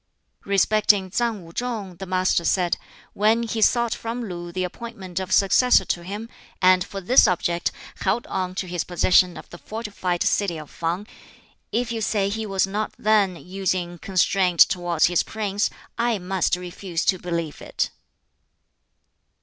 Respecting Tsang Wu chung the Master said, "When he sought from Lu the appointment of a successor to him, and for this object held on to his possession of the fortified city of Fang if you say he was not then using constraint towards his prince, I must refuse to believe it."